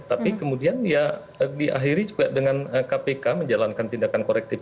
tapi kemudian ya diakhiri juga dengan kpk menjalankan tindakan korektif